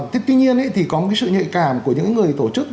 tuy nhiên thì có sự nhạy cảm của những người tổ chức